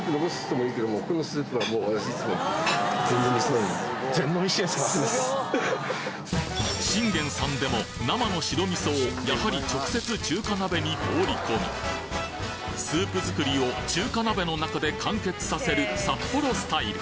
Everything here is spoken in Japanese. ・そうです・信玄さんでも生の白味噌をやはり直接中華鍋に放り込みスープ作りを中華鍋の中で完結させる札幌スタイル！